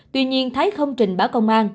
tuy nhiên thái không trình báo công an